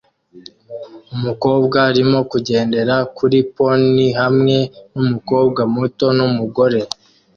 Umukobwa arimo kugendera kuri pony hamwe numukobwa muto numugore